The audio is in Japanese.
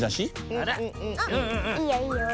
あっいいよいいよ。